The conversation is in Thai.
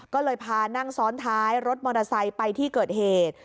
ก็เลยพานั่งซ้อนท้ายรถมอเตอร์ไซค์ไปที่เกิดเหตุ